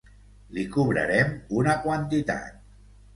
Li cobrarem una quantitat.